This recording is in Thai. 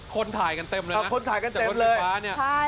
คนถ่ายกันเต็มเลยนะจากรถไฟฟ้าเนี่ยใช่คนถ่ายกันเต็มเลย